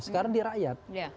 sekarang di rakyat